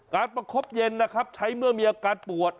ประคบเย็นนะครับใช้เมื่อมีอาการปวด